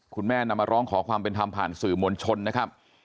นำมาร้องขอความเป็นธรรมผ่านสื่อมวลชนนะครับ